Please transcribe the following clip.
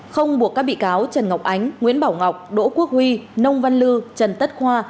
không buộc các bị cáo trần ngọc ánh nguyễn bảo ngọc đỗ quốc huy nông văn lư trần tất khoa